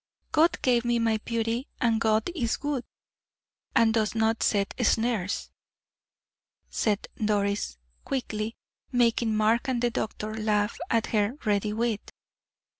"God gave me my beauty, and God is good, and does not set snares," said Doris, quickly, making Mark and the doctor laugh at her ready wit.